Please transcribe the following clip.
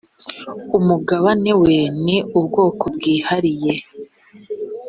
umugabane we ni ubwoko bwihariye.